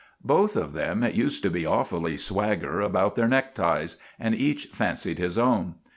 Both of them used to be awfully swagger about their neckties, and each fancied his own.